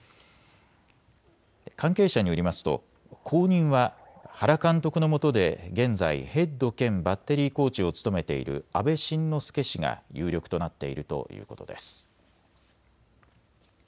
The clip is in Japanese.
関係者によりますと後任は原監督のもとで現在ヘッド兼バッテリーコーチを務めている阿部慎之助氏が有力となっているということです。